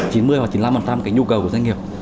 chín mươi hoặc chín mươi năm cái nhu cầu của doanh nghiệp